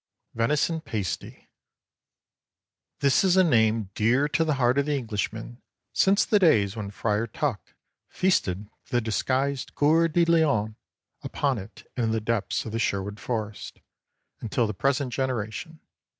VENISON PASTY. ✠ This is a name dear to the heart of the Englishman since the days when Friar Tuck feasted the disguised Cœur de Lion upon it in the depths of Sherwood Forest, until the present generation.